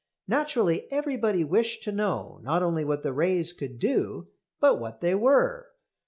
Naturally everybody wished to know not only what the rays could do, but what they were.